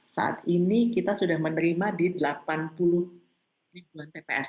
saat ini kita sudah menerima di delapan puluh ribuan tps